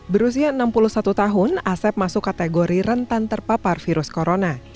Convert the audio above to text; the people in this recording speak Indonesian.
berusia enam puluh satu tahun asep masuk kategori rentan terpapar virus corona